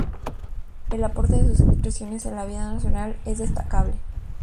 El aporte de sus expresiones en la vida nacional es destacable.